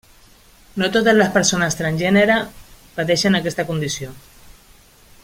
No totes les persones transgènere pateixen aquesta condició.